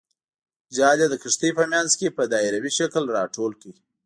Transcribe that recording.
جال یې د کښتۍ په منځ کې په دایروي شکل راټول کړ.